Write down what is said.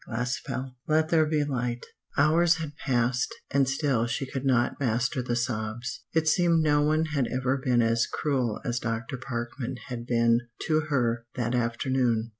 CHAPTER XL "LET THERE BE LIGHT" Hours had passed, and still she could not master the sobs. It seemed no one had ever been as cruel as Dr. Parkman had been to her that afternoon.